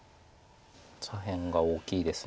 左辺が大きいです